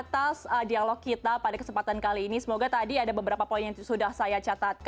atas dialog kita pada kesempatan kali ini semoga tadi ada beberapa poin yang sudah saya catat